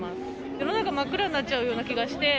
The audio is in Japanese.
世の中真っ暗になっちゃうような気がして。